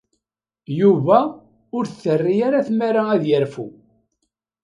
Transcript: Yuba ur t-terri ara tmara ad yerfu.